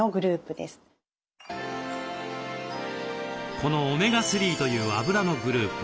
このオメガ３というあぶらのグループ